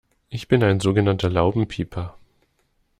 Ich bin ein so genannter Laubenpieper.